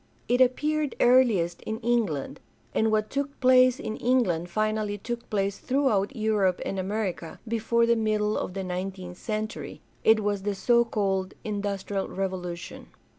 It appeared* earliest in England; and what took place in England finally took place throughout Europe and America before the middle of the nineteenth century. It was the so called '^ Industrial Revolution."